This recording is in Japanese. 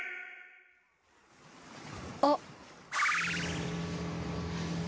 あっ。